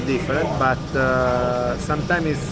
dan pekerjaan saya berbeda